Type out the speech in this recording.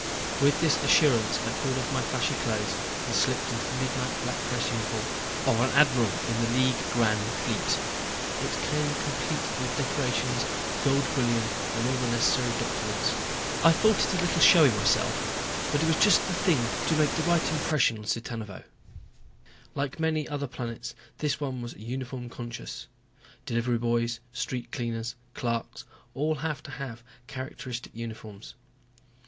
With this assurance I pulled off my flashy clothes and slipped into the midnight black dress uniform of an admiral in the League Grand Fleet. It came complete with decorations, gold bullion, and all the necessary documents. I thought it a little showy myself, but it was just the thing to make the right impression on Cittanuvo. Like many other planets, this one was uniform conscious. Delivery boys, street cleaners, clerks all had to have characteristic uniforms.